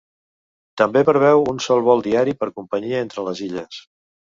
També preveu un sol vol diari per companyia entre les Illes.